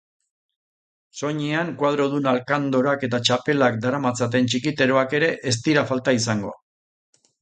Soinean koadrodun alkandorak eta txapelak daramatzaten txikiteroak ere ez dira falta izango.